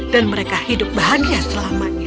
dan mereka hidup bahagia selamanya